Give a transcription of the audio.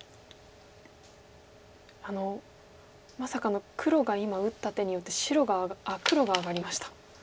まさか黒が今打った手によって黒が上がりました。